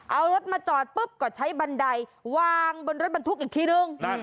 เอารถมาจอดปุ๊บก็ใช้บันไดวางบนรถบรรทุกอีกทีนึง